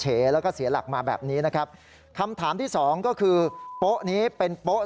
เจ้าหน้าที่บอกว่าทางวัดเนี่ยก็จริงไม่มีส่วนเกี่ยวข้องกับเหตุการณ์ดังกล่าวนะ